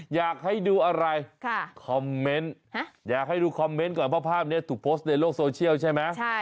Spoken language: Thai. อยากให้ดูอะไรคอมเมนต์อยากให้ดูคอมเมนต์ก่อนเพราะภาพนี้ถูกโพสต์ในโลกโซเชียลใช่ไหม